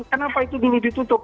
kenapa itu dulu ditutup